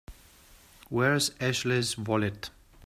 Where's Ashley's wallet?